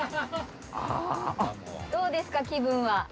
どうですか気分は？